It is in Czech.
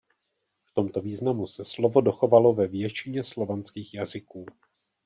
V tomto významu se slovo dochovalo ve většině slovanských jazyků.